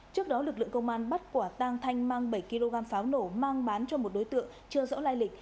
trước đó lực lượng công an bắt quả tang thanh mang bảy kg pháo nổ mang bán cho một đối tượng chưa rõ lai lịch